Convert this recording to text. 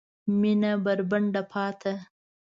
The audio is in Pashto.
مېنه بربنډه پاته